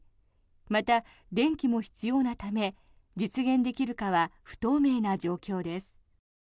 また、電気も必要なため実現できるかは不透明な状況です。